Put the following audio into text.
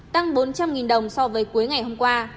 tăng bốn trăm linh đồng so với cuối ngày hôm qua